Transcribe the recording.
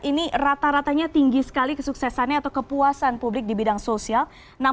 ini rata ratanya tinggi sekali kesuksesannya atau kepuasan publik di bidang sosial